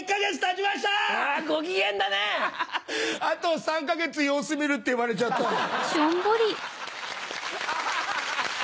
「あと３か月様子見る」って言われちゃった。